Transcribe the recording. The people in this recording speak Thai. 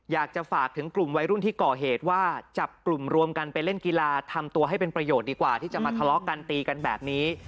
อยากจะฝากถึงกลุ่มวัยรุ่นที่ก่อเหตุว่าจับกลุ่มรวมกันไปเล่นกีฬาทำตัวให้เป็นประโยชน์ดีกว่าที่จะมาทะเลาะกันตีกันแบบนี้